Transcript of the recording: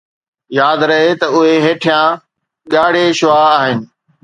ياد رهي ته اهي هيٺيان ڳاڙهي شعاع آهن